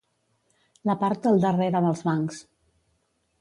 La part del darrere dels bancs.